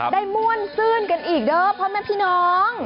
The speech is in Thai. ม่วนซื่นกันอีกเด้อพ่อแม่พี่น้อง